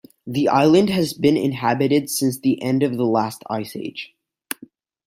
The island has been inhabited since the end of the last ice age.